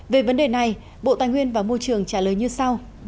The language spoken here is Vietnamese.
về vấn đề này bộ tài nguyên và môi trường trả lời như sau